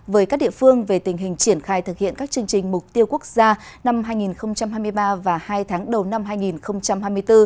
với các địa phương về tình hình triển khai thực hiện các chương trình mục tiêu quốc gia năm hai nghìn hai mươi ba và hai tháng đầu năm hai nghìn hai mươi bốn